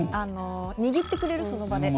握ってくれるその場で。